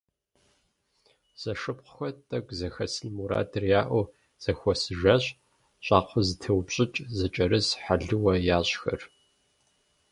Зэшыпхъухэр, тӏэкӏу зэхэсын мурадыр яӏэу зэхуэсыжащ. Щӏакхъуэзэтеупӏэщӏыкӏ, зэкӏэрыс, хьэлыуэ ящӏхэр.